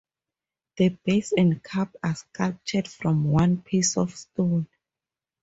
The base and cup are sculpted from one piece of stone.